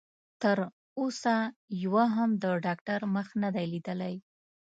تر اوسه يوه هم د ډاکټر مخ نه دی ليدلی.